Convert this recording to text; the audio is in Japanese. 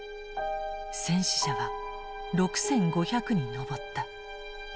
戦死者は６，５００に上った。